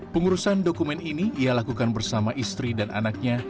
pengurusan dokumen ini ia lakukan bersama istri dan anaknya